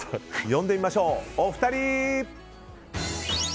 呼んでみましょう、お二人！